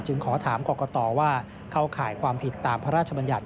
ขอถามกรกตว่าเข้าข่ายความผิดตามพระราชบัญญัติ